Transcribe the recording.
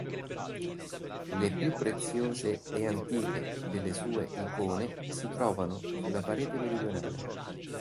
Le più preziose e antiche delle sue icone si trovano sulla parete meridionale.